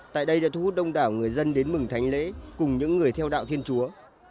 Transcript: tại đây đã thu hút đông đảo người dân đến mừng thánh lễ cùng những người theo đạo thiên chúa